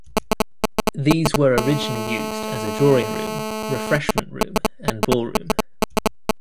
These were originally used as a drawing room, refreshment room and ballroom.